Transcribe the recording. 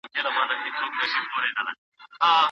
علمي بحثونه تل د پوهې د زياتوالي لامل کېږي.